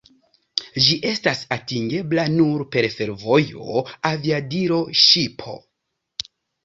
Ĝi estas atingebla nur per fervojo, aviadilo, ŝipo.